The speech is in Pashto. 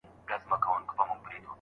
او پر غوږونو یې د رباب د شرنګ